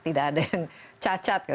tidak ada yang cacat